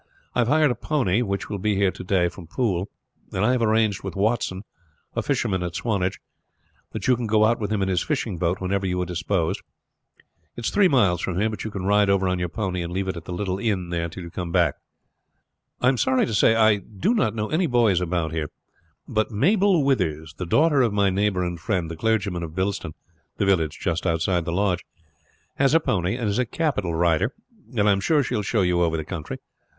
I have hired a pony, which will be here to day from Poole, and I have arranged with Watson, a fisherman at Swanage, that you can go out with him in his fishing boat whenever you are disposed. It is three miles from here, but you can ride over on your pony and leave it at the little inn there till you come back. I am sorry to say I do not know any boys about here; but Mabel Withers, the daughter of my neighbor and friend the clergyman of Bilston, the village just outside the lodge, has a pony, and is a capital rider, and I am sure she will show you over the country.